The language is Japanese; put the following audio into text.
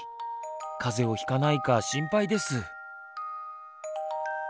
風邪をひかないか心配です。